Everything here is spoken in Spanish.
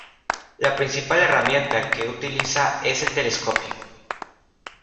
La principal herramienta que utiliza es el telescopio.